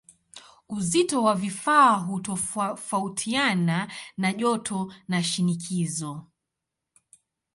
Uzito wa vifaa hutofautiana na joto na shinikizo.